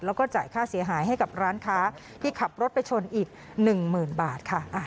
แล้วก็จ่ายค่าเสียหายให้กับร้านค้าที่ขับรถไปชนอีก๑๐๐๐บาทค่ะ